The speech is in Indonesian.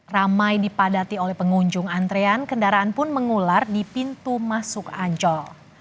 ramai dipadati oleh pengunjung antrean kendaraan pun mengular di pintu masuk ancol